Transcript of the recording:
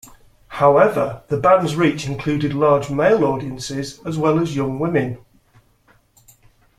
However, the band's reach included large male audiences as well as young women.